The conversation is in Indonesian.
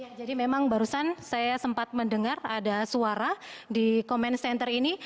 ya jadi memang barusan saya sempat mendengar ada suara di command center ini